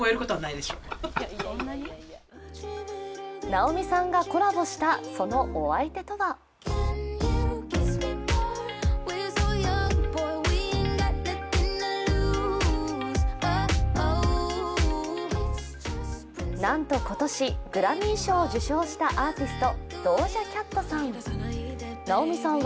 直美さんがコラボしたそのお相手とはなんと今年グラミー賞を受賞したアーティスト、ドージャ・キャットさん。